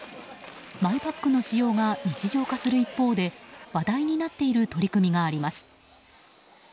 マイバッグの使用が日常化する一方で話題になっている取り組みがあります。